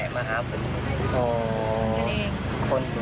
รอยมาก็ไปเบโก้ไง